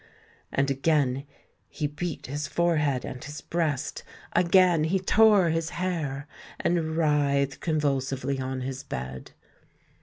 And again he beat his forehead and his breast: again he tore his hair, and writhed convulsively on his bed.